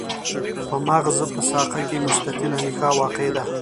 په مغز په ساقه کې مستطیله نخاع واقع ده.